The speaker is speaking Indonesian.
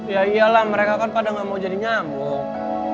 ya iyalah mereka kan pada nggak mau jadi nyambung